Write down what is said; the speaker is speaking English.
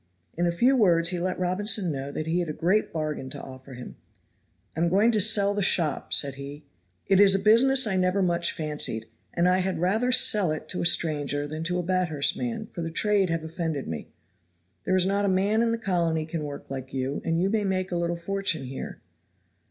In a few words he let Robinson know that he had a great bargain to offer him. "I am going to sell the shop," said he. "It is a business I never much fancied, and I had rather sell it to a stranger than to a Bathurst man, for the trade have offended me. There is not a man in the colony can work like you, and you may make a little fortune here."